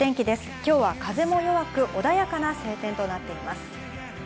今日は風も弱く穏やかな晴天となっています。